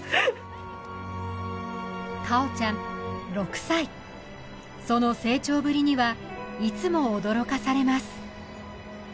果緒ちゃん６歳その成長ぶりにはいつも驚かされます